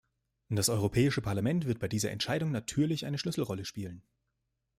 Das Europäische Parlament wird bei dieser Entscheidung natürlich eine Schlüsselrolle spielen.